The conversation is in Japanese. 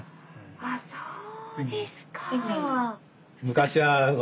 あっそうですか。